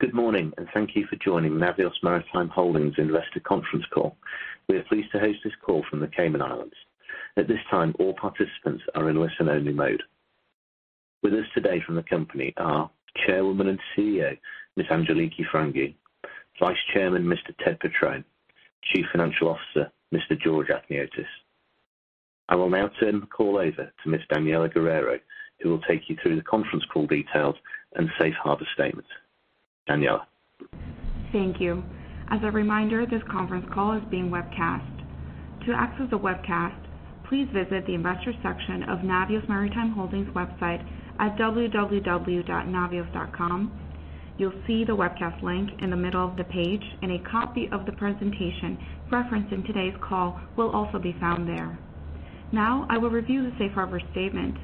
Good morning, and thank you for joining Navios Maritime Holdings Investor Conference Call. We are pleased to host this call from the Cayman Islands. At this time, all participants are in listen-only mode. With us today from the company are Chairwoman and CEO, Ms. Angeliki Frangou, Vice Chairman, Mr. Ted Petrone, Chief Financial Officer, Mr. George Achniotis. I will now turn the call over to Ms. Daniella Guerrero, who will take you through the conference call details and safe harbor statement. Daniella. Thank you. As a reminder, this conference call is being webcast. To access the webcast, please visit the investor section of Navios Maritime Holdings website at www.navios.com. You'll see the webcast link in the middle of the page, and a copy of the presentation referenced in today's call will also be found there. Now I will review the Safe Harbor statement.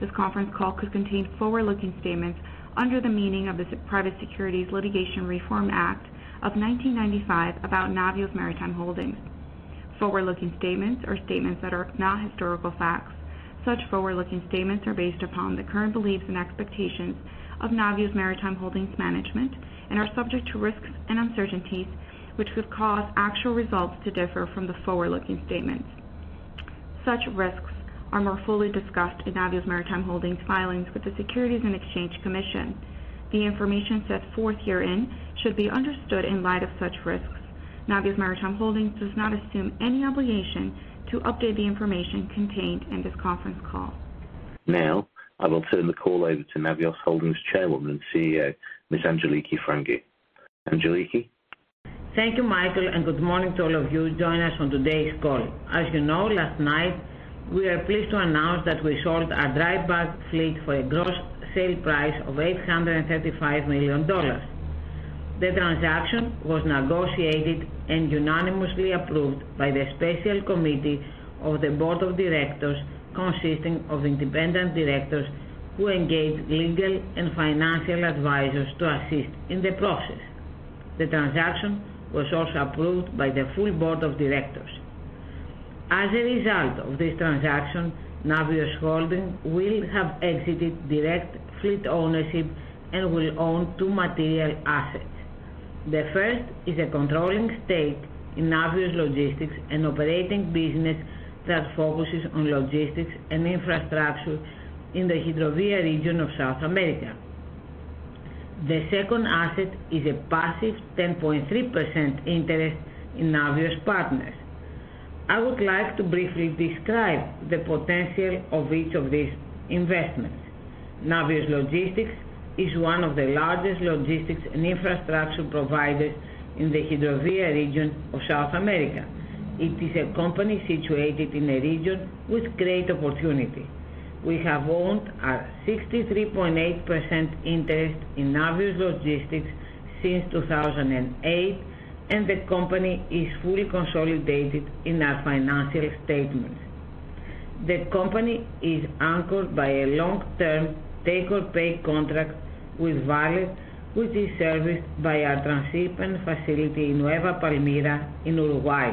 This conference call could contain forward-looking statements under the meaning of the Private Securities Litigation Reform Act of 1995 about Navios Maritime Holdings. Forward-looking statements are statements that are not historical facts. Such forward-looking statements are based upon the current beliefs and expectations of Navios Maritime Holdings management and are subject to risks and uncertainties which could cause actual results to differ from the forward-looking statements. Such risks are more fully discussed in Navios Maritime Holdings filings with the Securities and Exchange Commission. The information set forth herein should be understood in light of such risks. Navios Maritime Holdings does not assume any obligation to update the information contained in this conference call. Now I will turn the call over to Navios Maritime Holdings Chairwoman and CEO, Ms. Angeliki Frangou. Angeliki. Thank you, Michael, and good morning to all of you joining us on today's call. As you know, last night we are pleased to announce that we sold our dry bulk fleet for a gross sale price of $835 million. The transaction was negotiated and unanimously approved by the special committee of the board of directors, consisting of independent directors who engaged legal and financial advisors to assist in the process. The transaction was also approved by the full board of directors. As a result of this transaction, Navios Holdings will have exited direct fleet ownership and will own two material assets. The first is a controlling stake in Navios Logistics and operating business that focuses on logistics and infrastructure in the Hidrovia region of South America. The second asset is a passive 10.3% interest in Navios Partners. I would like to briefly describe the potential of each of these investments. Navios Logistics is one of the largest logistics and infrastructure providers in the Hidrovia region of South America. It is a company situated in a region with great opportunity. We have owned our 63.8% interest in Navios Logistics since 2008, and the company is fully consolidated in our financial statements. The company is anchored by a long-term take-or-pay contract with Vale, which is serviced by our transshipment facility in Nueva Palmira in Uruguay.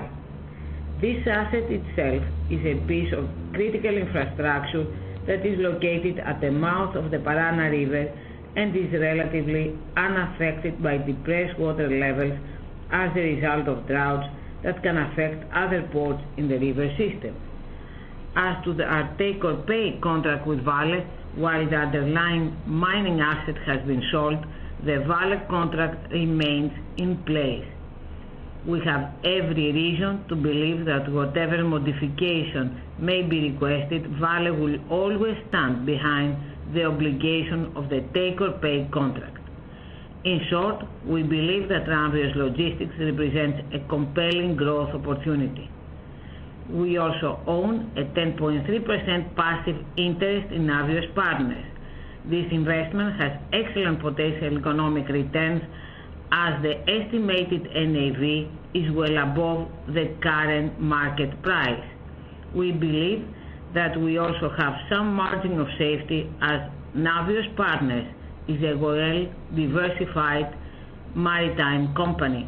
This asset itself is a piece of critical infrastructure that is located at the mouth of the Paraná River and is relatively unaffected by depressed water levels as a result of droughts that can affect other ports in the river system. As to our take-or-pay contract with Vale, while the underlying mining asset has been sold, the Vale contract remains in place. We have every reason to believe that whatever modification may be requested, Vale will always stand behind the obligation of the take-or-pay contract. In short, we believe that Navios Logistics represents a compelling growth opportunity. We also own a 10.3% passive interest in Navios Partners. This investment has excellent potential economic returns as the estimated NAV is well above the current market price. We believe that we also have some margin of safety as Navios Partners is a well-diversified maritime company.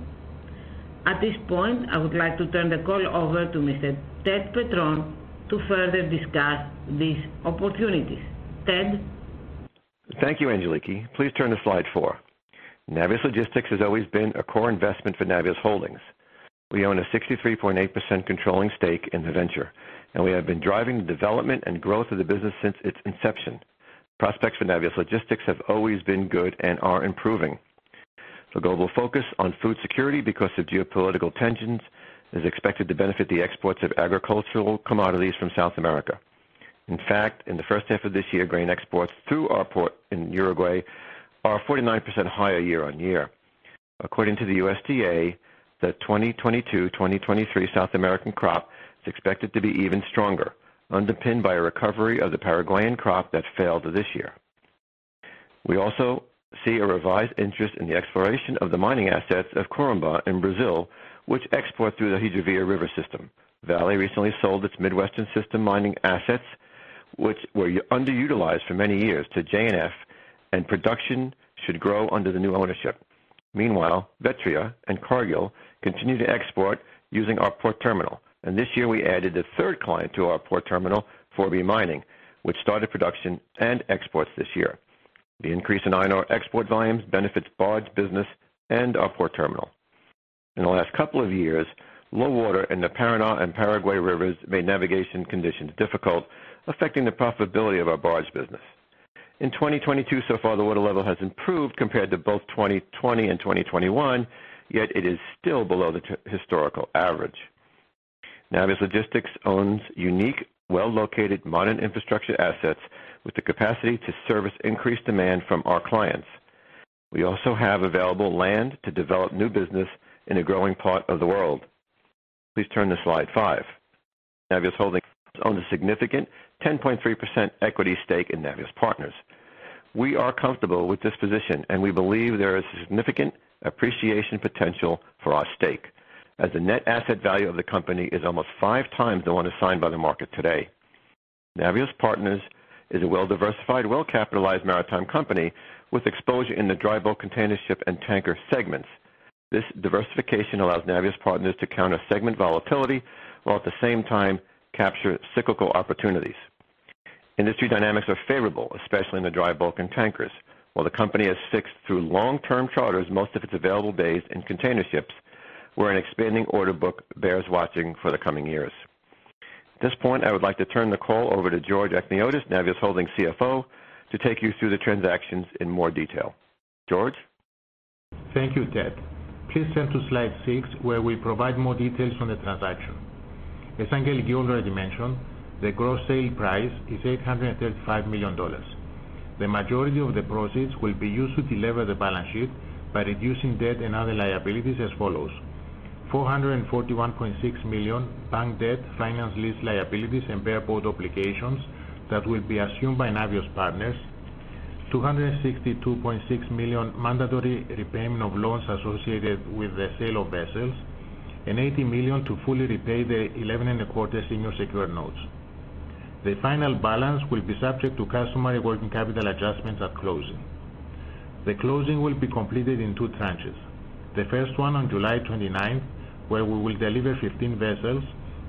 At this point, I would like to turn the call over to Mr. Ted Petrone to further discuss these opportunities. Ted. Thank you, Angeliki. Please turn to slide four. Navios Logistics has always been a core investment for Navios Holdings. We own a 63.8% controlling stake in the venture, and we have been driving the development and growth of the business since its inception. Prospects for Navios Logistics have always been good and are improving. The global focus on food security because of geopolitical tensions is expected to benefit the exports of agricultural commodities from South America. In fact, in the first half of this year, grain exports through our port in Uruguay are 49% higher year-over-year. According to the USDA, the 2022/2023 South American crop is expected to be even stronger, underpinned by a recovery of the Paraguayan crop that failed this year. We also see a revised interest in the exploration of the mining assets of Corumbá in Brazil, which export through the Hidrovia River system. Vale recently sold its Midwestern System mining assets, which were underutilized for many years, to J&F, and production should grow under the new ownership. Meanwhile, Vetria and Cargill continue to export using our port terminal, and this year we added a third client to our port terminal, 4B Mining, which started production and exports this year. The increase in iron ore export volumes benefits barge business and our port terminal. In the last couple of years, low water in the Paraná and Paraguay rivers made navigation conditions difficult, affecting the profitability of our barge business. In 2022 so far, the water level has improved compared to both 2020 and 2021, yet it is still below the historical average. Navios Logistics owns unique, well-located modern infrastructure assets with the capacity to service increased demand from our clients. We also have available land to develop new business in a growing part of the world. Please turn to slide 5. Navios Holdings owns a significant 10.3% equity stake in Navios Partners. We are comfortable with this position, and we believe there is significant appreciation potential for our stake, as the net asset value of the company is almost 5 times the one assigned by the market today. Navios Partners is a well-diversified, well-capitalized maritime company with exposure in the dry bulk container ship and tanker segments. This diversification allows Navios Partners to counter segment volatility while at the same time capture cyclical opportunities. Industry dynamics are favorable, especially in the dry bulk and tankers, while the company has fixed through long-term charters most of its available days in container ships, where an expanding order book bears watching for the coming years. At this point, I would like to turn the call over to George Achniotis, Navios Maritime Holdings CFO, to take you through the transactions in more detail. George? Thank you, Ted. Please turn to slide 6, where we provide more details on the transaction. As Angeliki already mentioned, the gross sale price is $835 million. The majority of the proceeds will be used to delever the balance sheet by reducing debt and other liabilities as follows. $441.6 million bank debt, finance lease liabilities, and bareboat obligations that will be assumed by Navios Partners. $262.6 million mandatory repayment of loans associated with the sale of vessels. Eighty million to fully repay the 11.25 senior secured notes. The final balance will be subject to customary working capital adjustments at closing. The closing will be completed in two tranches. The first one on July 29th, where we will deliver 15 vessels,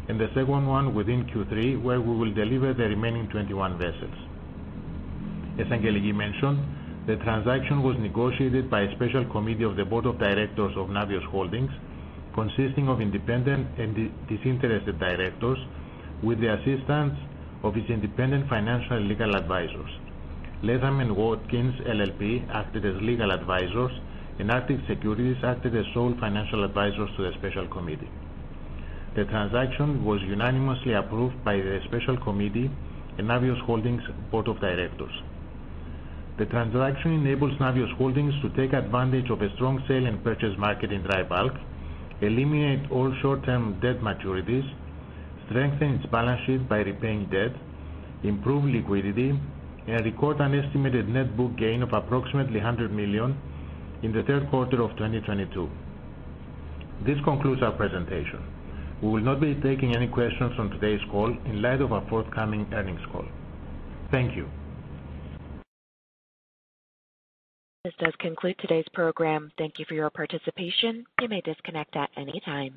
and the second one within Q3, where we will deliver the remaining 21 vessels. As Angeliki mentioned, the transaction was negotiated by a special committee of the board of directors of Navios Holdings, consisting of independent and disinterested directors with the assistance of its independent financial and legal advisors. Latham & Watkins LLP acted as legal advisors, and Arctic Securities acted as sole financial advisors to the special committee. The transaction was unanimously approved by the special committee and Navios Holdings board of directors. The transaction enables Navios Holdings to take advantage of a strong sale and purchase market in dry bulk, eliminate all short-term debt maturities, strengthen its balance sheet by repaying debt, improve liquidity, and record an estimated net book gain of approximately $100 million in the Q3 of 2022. This concludes our presentation. We will not be taking any questions on today's call in light of our forthcoming earnings call. Thank you. This does conclude today's program. Thank you for your participation. You may disconnect at any time.